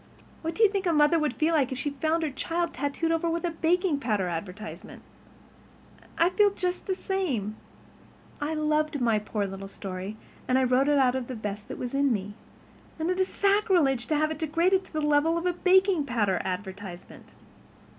What do you think a mother would feel like if she found her child tattooed over with a baking powder advertisement? I feel just the same. I loved my poor little story, and I wrote it out of the best that was in me. And it is sacrilege to have it degraded to the level of a baking powder advertisement.